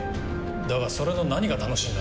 だがそれの何が楽しいんだ？